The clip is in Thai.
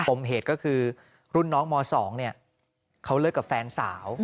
มเหตุก็คือรุ่นน้องม๒เขาเลิกกับแฟนสาว